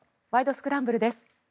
スクランブル」です。